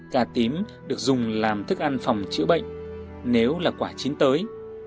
cá tím được dùng làm thức ăn phòng chữa bệnh nếu là quả chín tới